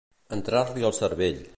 Entrar-li al cervell.